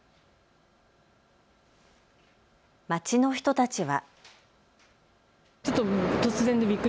街の人たちは。